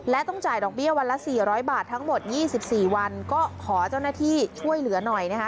และต้องจ่ายดอกเบี้ยวันละ๔๐๐บาททั้งหมด๒๔วันก็ขอเจ้าหน้าที่ช่วยเหลือหน่อยนะคะ